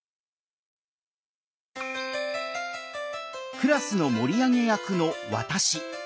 クラスの盛り上げ役の「わたし」。